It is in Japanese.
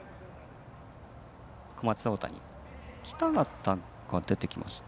小松大谷北方が出てきていました。